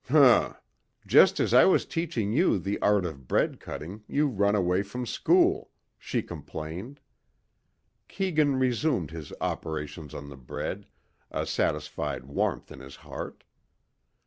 "Hm! Just as I was teaching you the art of bread cutting you run away from school," she complained. Keegan resumed his operations on the bread, a satisfied warmth in his heart.